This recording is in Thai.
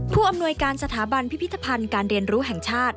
ผู้อำนวยการสถาบันพิพิธภัณฑ์การเรียนรู้แห่งชาติ